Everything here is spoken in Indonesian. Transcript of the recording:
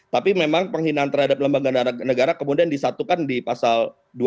tapi memang penghinaan terhadap lembaga negara kemudian disatukan di pasal dua puluh